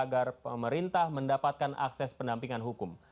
agar pemerintah mendapatkan akses pendampingan hukum